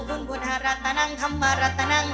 คุณพุทธรัตนังธรรมรัตนัง